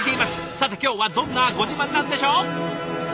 さて今日はどんなご自慢なんでしょ？